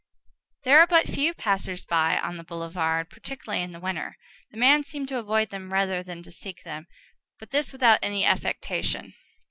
There are but few passers by on that boulevard, particularly in the winter. The man seemed to avoid them rather than to seek them, but this without any affectation.